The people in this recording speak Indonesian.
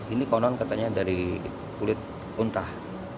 ini konon katanya dari kulit untah